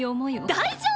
大丈夫！